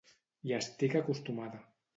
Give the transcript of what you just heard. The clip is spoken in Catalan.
Hi estic acostumada.